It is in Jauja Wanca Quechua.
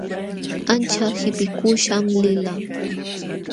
Ancha qipikuśham lilqaa.